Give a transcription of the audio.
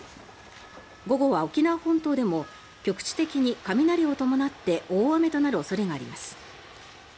午後は沖縄本島でも局地的に雷を伴って大雨となる恐れがあります。